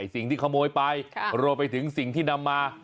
สิ่งที่ขโมยไปรวมไปถึงสิ่งที่นำมา